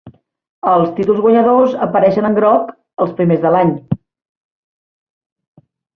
Els títols guanyadors apareixen en groc, els primers de l'any.